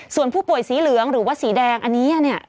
ส่วนผู้ป่วยสีเหลืองหรือว่าสีแดงอันนี้เนี่ย